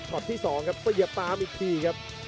ช็อตที่๒ครับประหยับตามอีกทีครับ